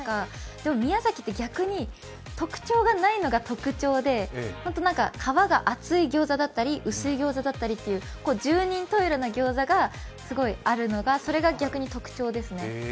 でも、宮崎って、逆に特徴がないのが特徴で皮が厚いギョーザだったり薄いギョーザだったり、十人十色なギョーザがあるのが、逆に特徴ですね。